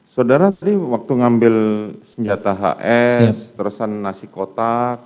saudara tadi waktu ngambil senjata hs terusan nasi kotak